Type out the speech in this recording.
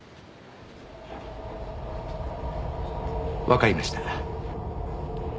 わかりました。